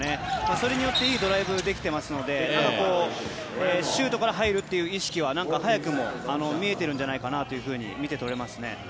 それによっていいドライブができていますのでシュートから入るという意識は早くも見えてるんじゃないかと見て取れますね。